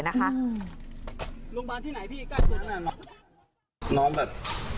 น้องแบบ